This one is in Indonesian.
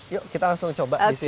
yuk kita langsung coba di sini